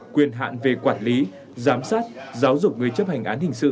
quyền hạn về quản lý giám sát giáo dục người chấp hành án hình sự